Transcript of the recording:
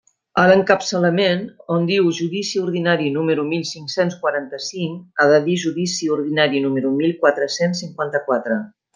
A l'encapçalament, on diu «judici ordinari número mil cinc-cents quaranta-cinc»; ha de dir «judici ordinari número mil quatre-cents cinquanta-quatre».